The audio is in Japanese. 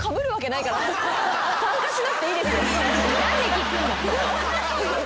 参加しなくていいですよ。